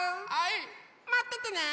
まっててね。